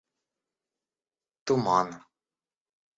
Туман.